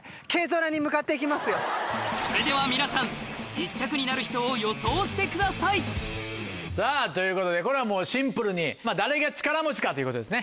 それでは皆さん１着になる人を予想してくださいさぁということでこれはもうシンプルに誰が力持ちかということですね。